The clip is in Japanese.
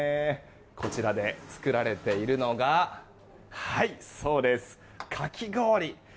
こちらで作られているのがそうです、かき氷。